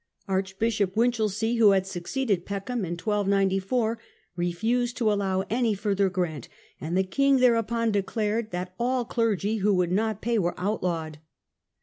Archbishop Winchelsey, who had succeeded Peckham in 1294, refused to allow any further grant; and the king thereupon declared that all clergy who would not pay were outlawed.